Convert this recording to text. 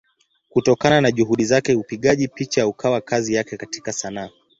Kutokana na Juhudi zake upigaji picha ukawa kazi yake katika Sanaa.